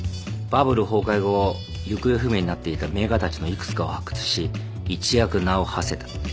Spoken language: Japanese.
バブル崩壊後行方不明になっていた名画たちのいくつかを発掘し一躍名をはせた。